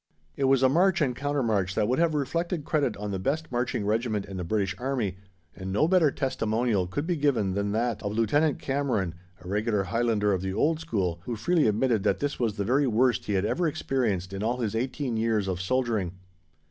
It was a march and counter march that would have reflected credit on the best marching Regiment in the British Army, and no better testimonial could be given than that of Lieut. Cameron, a regular Highlander of the old school, who freely admitted that this was the very worst he had ever experienced in all his eighteen years of soldiering.